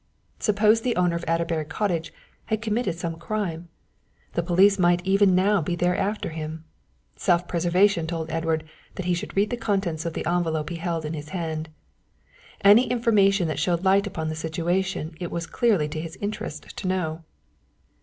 Suppose the owner of Adderbury Cottage had committed some crime, the police might even now be there after him. Self preservation told Edward that he should read the contents of the envelope he held in his hand. Any information that showed light upon the situation it was clearly to his interest to know.